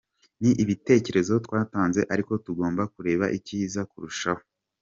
Ni ibitekerezo twatanze ariko tugomba kureba icyiza kurushaho.